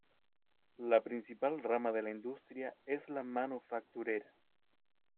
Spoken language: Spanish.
La principal rama de la industria es la manufacturera.